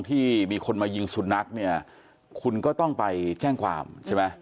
ที่มีคนมายิงสุนัขเนี่ยคุณก็ต้องไปแจ้งความใช่ไหม